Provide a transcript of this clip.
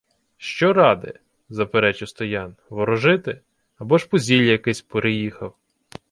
— Що ради! — заперечив Стоян. — Ворожити. Або ж по зілля якесь приїхав.